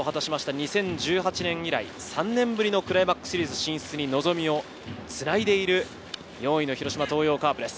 ２０１８年以来、３年ぶりのクライマックスシリーズ進出に望みをつないでいる４位の広島東洋カープです。